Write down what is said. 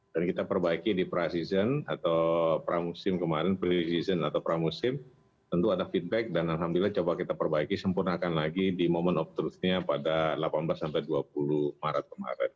dan kita perbaiki di pre season atau pramusim kemarin tentu ada feedback dan alhamdulillah coba kita perbaiki sempurna lagi di moment of truth nya pada delapan belas dua puluh maret kemarin